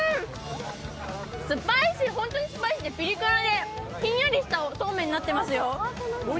ホントにスパイシーでピリ辛でひんやりしたそうめんになってますよ。